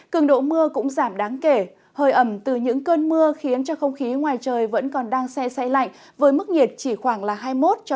cường độ mưa cũng giảm đáng kể hơi ẩm từ những cơn mưa khiến cho không khí ngoài trời vẫn còn đang xe xe lạnh với mức nhiệt chỉ khoảng hai mươi một hai mươi ba độ